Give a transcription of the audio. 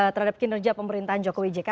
terhadap kinerja pemerintahan joko widjeka